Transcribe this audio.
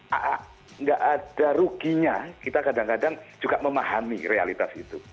tidak ada ruginya kita kadang kadang juga memahami realitas itu